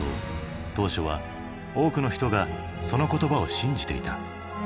当初は多くの人がその言葉を信じていた。